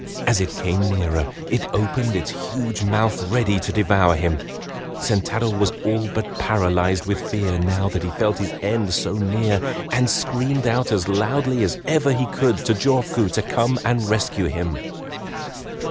As it came nearer it opened its huge mouth ready to devour him. Sentaro was all but paralyzed with fear now that he felt his end so near, and screamed out as loudly as ever he could to Jofuku to come and rescue him.